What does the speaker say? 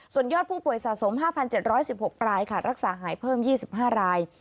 ส่วนยอดผู้ป่วยสะสม๕๗๑๖รายค่ะรักษาหายเพิ่ม๒๕ราย